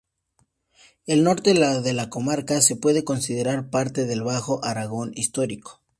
El norte de la comarca se puede considerar parte del Bajo Aragón Histórico.